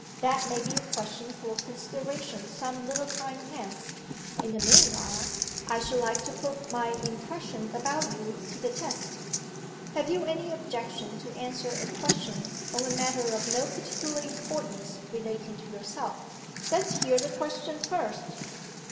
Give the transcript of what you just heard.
That may be a question for consideration some little time hence. In the meanwhile, I should like to put my impression about you to the test. Have you any objection to answer a question on a matter of no particular importance relating to yourself?" "Let's hear the question first."